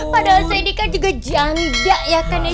padahal saya di kan juga janda ya kan ya